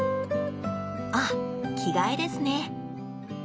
あっ着替えですね。